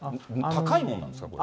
高いもんなんですか？